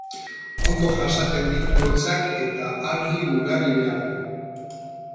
Ondo jasaten ditu hotzak eta argi ugari behar du.